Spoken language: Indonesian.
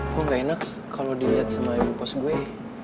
kok gak enak kalo diliat sama ibu bos gue